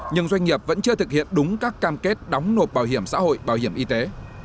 nhưng doanh nghiệp vẫn chưa thực hiện đúng các cam kết đóng nộp bảo hiểm xã hội bảo hiểm y tế